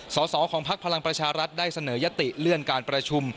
สอสอของพักพลังประชารัฐได้เสนอยติเลื่อนการประชุม